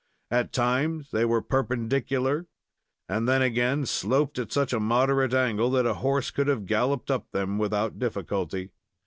At times they were perpendicular, and then again sloped at such a moderate angle that a horse could have galloped up them without difficulty.